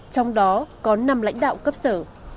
trong đó có năm lãnh đạo cấp sở